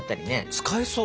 使えそう。